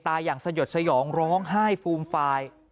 อย่างสยดสยองร้องไห้ฟูมฟาย